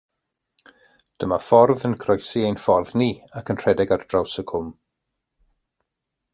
Dyma ffordd yn croesi ein ffordd ni, ac yn rhedeg ar draws y cwm.